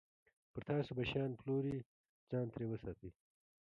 پر تاسو به شیان پلوري، ځان ترې وساتئ.